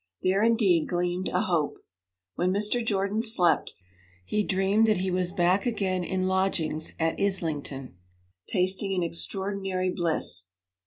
There, indeed, gleamed a hope. When Mr. Jordan slept, he dreamed that he was back again in lodgings at Islington, tasting an extraordinary bliss.